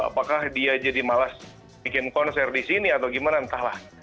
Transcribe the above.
apakah dia jadi malas bikin konser di sini atau gimana entahlah